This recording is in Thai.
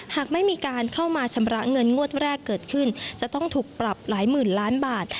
หากไม่มีการเข้ามาชำระเงินงวดแรกเกิดขึ้นจะต้องถูกปรับหลายหมื่นล้านบาท